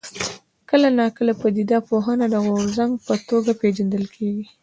کله ناکله پدیده پوهنه د غورځنګ په توګه پېژندل کېږي.